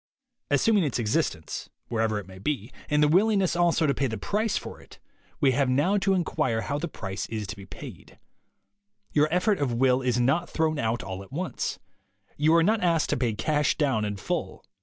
Assuming its existence, whatever 109 110 THE WAY TO WILL POWER it may be, and the willingness also to pay the price for it, we have now to inquire how the price is to be paid. Your effort of will is not thrown out all at once. You are not asked to pay cash down in full.